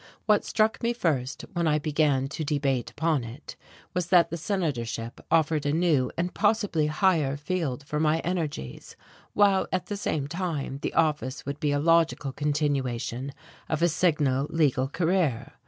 What struck me first, when I began to debate upon it, was that the senatorship offered a new and possibly higher field for my energies, while at the same time the office would be a logical continuation of a signal legal career.